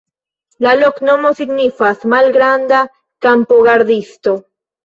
La loknomo signifas: malgranda-kampogardisto.